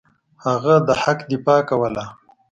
هغه د حق دفاع کوله.